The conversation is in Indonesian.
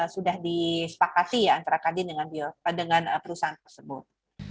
sudah disepakati ya antara kadin dengan perusahaan tersebut